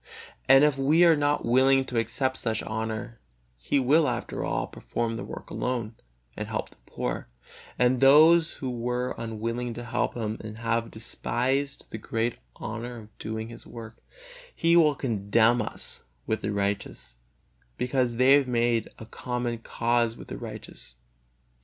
And if we are not willing to accept such honor, He will, after all, perform the work alone, and help the poor; and those who were unwilling to help Him and have despised the great honor of doing His work, He will condemn with the unrighteous, because they have made common cause with the unrighteous.